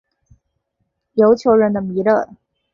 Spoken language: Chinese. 琉球人的弥勒。